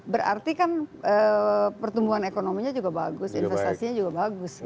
berarti kan pertumbuhan ekonominya juga bagus investasinya juga bagus